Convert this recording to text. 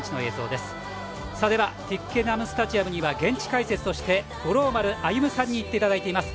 ではトゥイッケナムスタジアムには現地解説として五郎丸歩さんに行っていただいています。